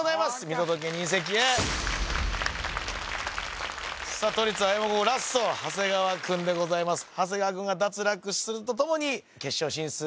見届け人席へさあ都立青山高校ラスト長谷川くんでございます長谷川くんが脱落するとともに決勝進出